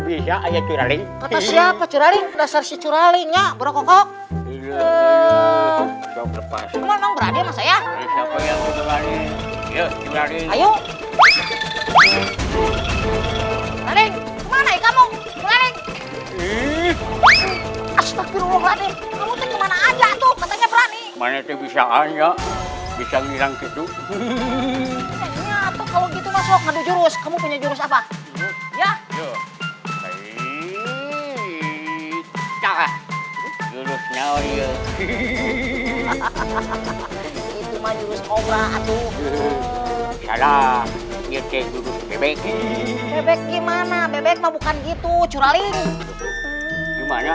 itu manusia obat tuh salah ini bebek bebek gimana bebek mau bukan gitu curaling gimana